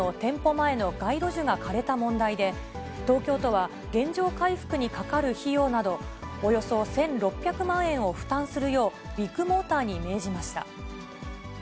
前の街路樹が枯れた問題で、東京都は、原状回復にかかる費用など、およそ１６００万円を負担するよう、ビッグモーターに命じました。